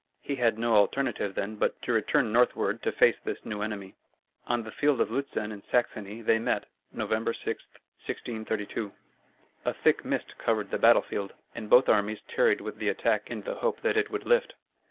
He had no alternative then but to return northward to face this new enemy. On the field of Lutzen in Saxony they met November 6, 1632. A thick mist covered the battle field, and both armies tarried with the attack in the hope that it would lift.